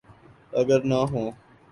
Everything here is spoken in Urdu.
اگر نہ ہوں۔